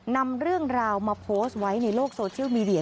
นำเรื่องราวมาโพสต์ไว้ในโลกโซเชียลมีเดีย